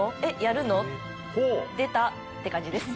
「出た」って感じです。